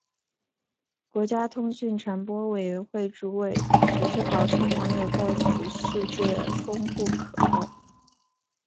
国家通讯传播委员会主委石世豪称网友在此事件功不可没。